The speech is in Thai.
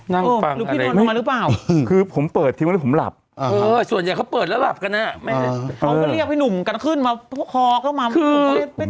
น่ะไม่รู้หรือเปล่าคือผมเปิดที่มันผมหลับเออส่วนใหญ่เขาเปิดแล้วหลับกันอ่ะเพราะเรียกไอ่หนุ่มกันขึ้นมาคอเข้ามาคือ